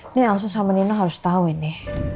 ini yang harus sama nino harus tau ini